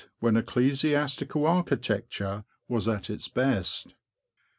when ecclesiastical architecture was at its best.